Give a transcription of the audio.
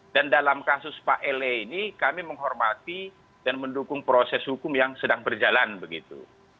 dan dalam kasus pak la ini kami menghormati dan mendukung proses hukum yang sedang berjalan begitu